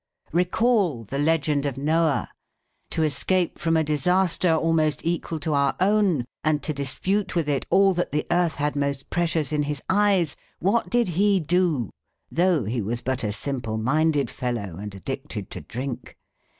"Recall the legend of Noah: to escape from a disaster almost equal to our own, and to dispute with it all that the earth had most precious in his eyes; what did he do, though he was but a simple minded fellow and addicted to drink?